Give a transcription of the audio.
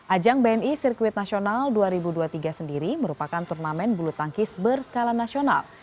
ajang bni sirkuit nasional dua ribu dua puluh tiga sendiri merupakan turnamen bulu tangkis berskala nasional